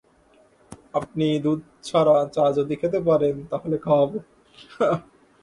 আপনি দুধ ছাড়া চা যদি খেতে পারেন, তাহলে খাওয়াব।